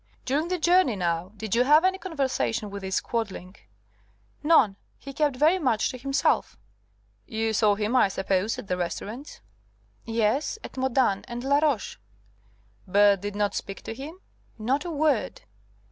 "During the journey, now, did you have any conversation with this Quadling?" "None. He kept very much to himself." "You saw him, I suppose, at the restaurants?" "Yes, at Modane and Laroche." "But did not speak to him?" "Not a word."